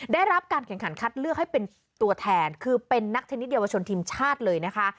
ได้รับการแข่งขันคัดเลือกให้เป็นตัวแทนคือเป็นนักชนิดเยาวชนทีมชาติเลยนะคะ